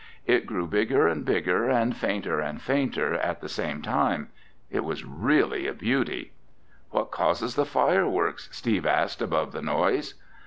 It grew bigger and bigger and fainter and fainter at the same time. It was really a beauty. "What causes the fireworks?" Steve asked above the noise.